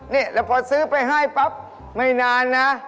นี่แล้วพอซื้อไปให้ปั๊บไม่นานนะ